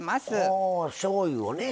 ほおしょうゆをね。